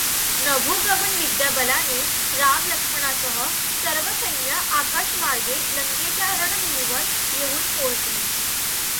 नभोगमन विद्या बलाने राम लक्ष्मणासह सर्व सैन्य आकाशमार्गे लंकेच्या रणभूमीवर येवून पोहोचले.